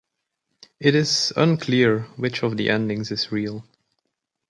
It is unclear which of the endings is real.